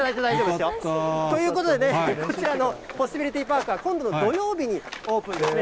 よかった。ということでね、こちらのポッシビリティパークは、今度の土曜日にオープンですね。